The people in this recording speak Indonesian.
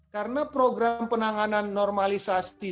karena program penanganan normalisasi